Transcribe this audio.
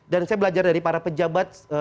dan saya belajar dari para pejabat